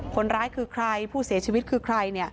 คนร้ายคือใครผู้เสียชีวิตคือใคร